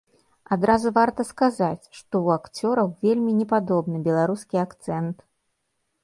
Адразу варта сказаць, што ў акцёраў вельмі не падобны беларускі акцэнт.